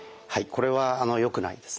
これはよくないですね。